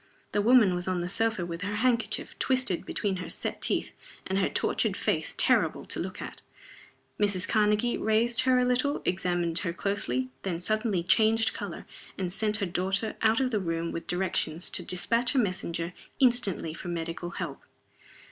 The woman was on the sofa with her handkerchief twisted between her set teeth, and her tortured face terrible to look at. Mrs. Karnegie raised her a little, examined her closely then suddenly changed color, and sent her daughter out of the room with directions to dispatch a messenger instantly for medical help.